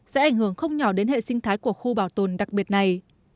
sẽ ảnh hưởng không nhỏ đến hệ sinh thái của khu bảo tồn đặc biệt này